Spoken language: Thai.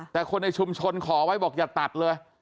แต่คนในชุมชนขอไว้บอกอย่าตัดเลย